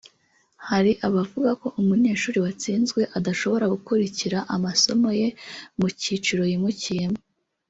Hari abavuga ko umunyeshuri watsinzwe adashobora gukurikira amasomo ye mu cyiciro yimukiyemo